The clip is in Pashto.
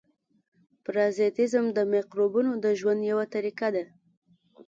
پرازیتېزم د مکروبونو د ژوند یوه طریقه ده.